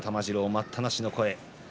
待ったなしの声。